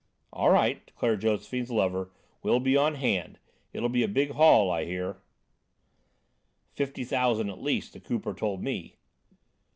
"All right," declared Josephine's lover, "we'll be on hand. It'll be a big haul, I hear." "Fifty thousand at least, the Cooper told me."